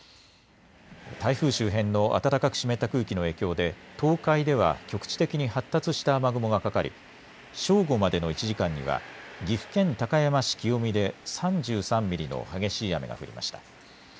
台風周辺の暖かく湿った空気の影響で、東海では局地的に発達した雨雲がかかり正午までの１時間には岐阜県高山市清見で３３ミリの激しい雨が降りました。